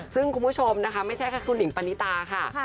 ซึ่งคุณผู้ชมนะคะไม่ใช่แค่คุณหิงปณิตาค่ะ